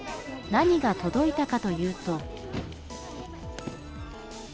何が届いたかというと。